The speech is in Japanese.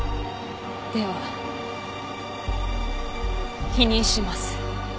では否認します。